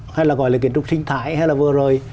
hay là gọi là kiến trúc sinh thái hay là vừa rồi